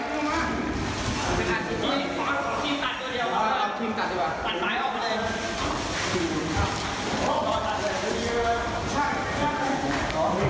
ดีตัดสิบ่อนตัดตายออกมาเร็ว